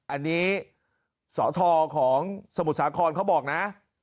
อันนี้สทของสมุทรสาครเขาบอกนะ